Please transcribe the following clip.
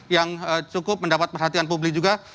yang cukup mendapat perhatian publik juga